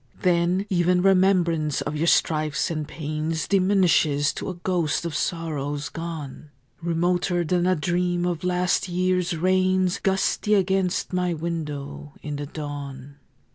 Then even remembrance of your strifes and pains Diminishes to a ghost of sorrows gone, Remoter than a dream of last year's rains Gusty against my window in the dawn.